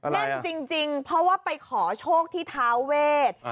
แน่นจริงเพราะว่าไปขอโชคที่ท้าเวท